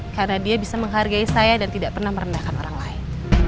karena dia bisa menghargai saya dan tidak pernah merendahkan orang lain